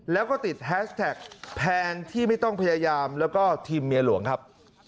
แล้วก็ติดแฮสแท็กแทนที่ไม่ต้องพยายามแล้วก็ทีมเมียหลวงครับ